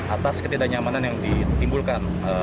atas ketidaknyamanan yang ditimbulkan